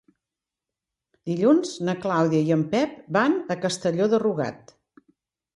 Dilluns na Clàudia i en Pep van a Castelló de Rugat.